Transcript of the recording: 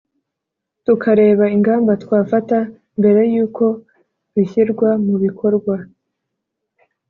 tukareba ingamba twafata mbere yuko bishyirwa mu bikorwa